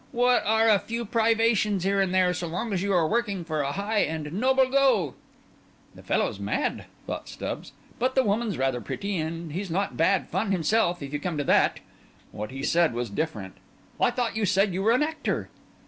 What are a few privations here and there, so long as you are working for a high and noble goal?" "This fellow's mad," thought Stubbs; "but the woman's rather pretty, and he's not bad fun himself, if you come to that." What he said was different. "I thought you said you were an actor?"